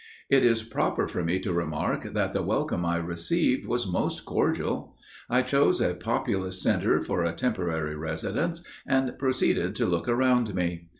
"It is proper for me to remark that the welcome I received was most cordial. I chose a populous centre for a temporary residence, and proceeded to look around me.